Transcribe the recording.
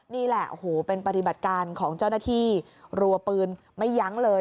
นี่แหละโอ้โหเป็นปฏิบัติการของเจ้าหน้าที่รัวปืนไม่ยั้งเลย